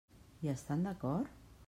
Hi estan d'acord?